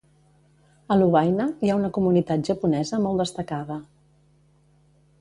A Lovaina hi ha una comunitat japonesa molt destacada.